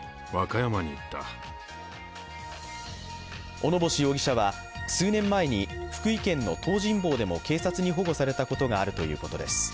小野星容疑者は数年前に福井県の東尋坊でも警察に保護されたことがあるということです。